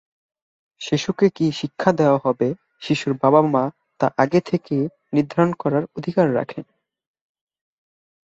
শিশুকে কী শিক্ষা দেওয়া হবে, শিশুর বাবা-মা তা আগে থেকে নির্ধারণ করার অধিকার রাখেন।